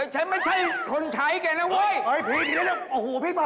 เจ๊ไม่ใช่คนใช้เกี๋นแน่มากว่ะโอโฮพี่โอ้โหเพีย์